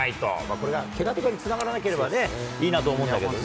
これがけがとかにつながらなければね、いいなと思うんですけどね。